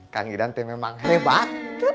kang idante memang hebat